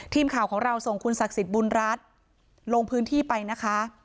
ทีมข่าวของเราส่งคุณศักดิ์สิทธิ์บุญรัฐลงพื้นที่ไปนะคะ